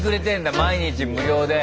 毎日無料で。